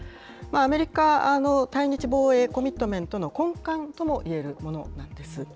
アメリカ、対日防衛コミットメントの根幹ともいえるものなんです。